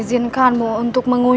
jangan salahkan aku